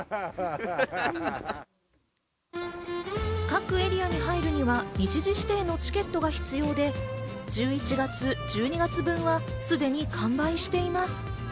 各エリアに入るには日時指定のチケットが必要で、１１月、１２月分はすでに完売しています。